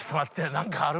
何かある？